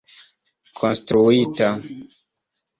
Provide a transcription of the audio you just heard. konstruita